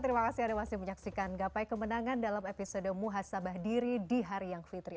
terima kasih ada masih menyaksikan gapai kemenangan dalam episode muhasabah diri di hari yang fitri